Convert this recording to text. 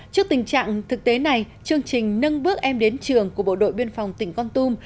trước tình trạng thực tế này chương trình nâng bước em đến trường của bộ đội biên phòng tỉnh con tum